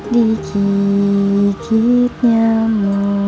di gigitnya mu